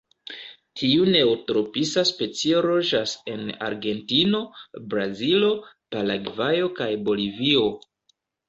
Tiu neotropisa specio loĝas en Argentino, Brazilo, Paragvajo kaj Bolivio.